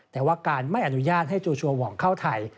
แต่ว่าการไม่อนุญาตให้จูชัวห่องเข้าไทย